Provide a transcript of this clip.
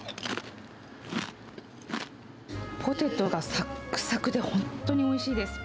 ポテトがさっくさくで、本当においしいです。